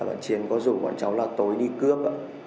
bạn triển có rủ bọn cháu là tối đi cướp